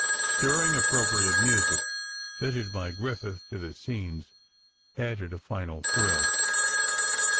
Stirring, appropriate music, fitted by Griffith to the scenes, added a final thrill.